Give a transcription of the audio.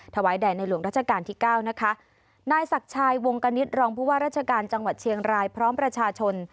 แด่ในหลวงราชการที่เก้านะคะนายศักดิ์ชายวงกณิตรองผู้ว่าราชการจังหวัดเชียงรายพร้อมประชาชน